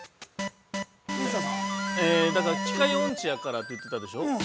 ◆だから、機械音痴やからって言ったでしょう。